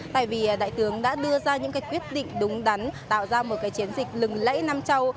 tại vì đại tướng đã đưa ra những quyết định đúng đắn tạo ra một chiến dịch lừng lẫy nam châu